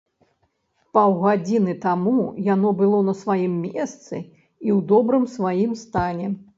Паўгадзіны таму яно было на сваім месцы і ў добрым сваім стане.